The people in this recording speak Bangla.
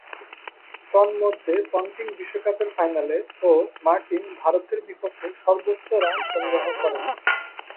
তন্মধ্যে পন্টিং বিশ্বকাপের ফাইনালে ও মার্টিন ভারতের বিপক্ষে সর্বোচ্চ রান সংগ্রহ করেন।